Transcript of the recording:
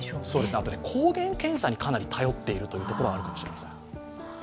あと抗原検査にかなり頼っているというところはあるかもしれません。